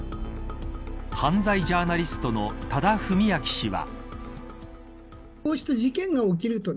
犯罪ジャーナリストの多田文明氏は。